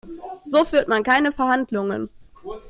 So führt man keine Verhandlungen.